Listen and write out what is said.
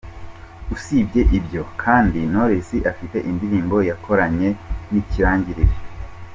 Usibye ibyo kandi Knowless afite indirimbo yakoranye nikirangirire.